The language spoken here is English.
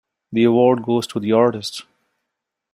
The award goes to the artist.